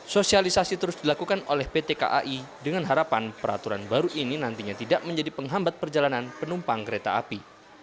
sosialisasi terus dilakukan oleh pt kai dengan harapan peraturan baru ini nantinya tidak menjadi penghambat perjalanan penumpang kereta api